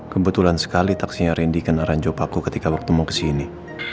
kebetulan sekali taksinya randy kena ranjau paku ketika waktu mau ke sini